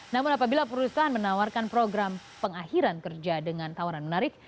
namun apabila perusahaan menawarkan program pengakhiran kerja dengan tawaran menarik